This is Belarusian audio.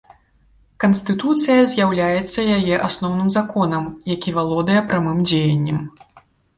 Канстытуцыя з'яўляецца яе асноўным законам, які валодае прамым дзеяннем.